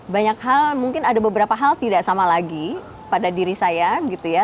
banyak hal mungkin ada beberapa hal tidak sama lagi pada diri saya gitu ya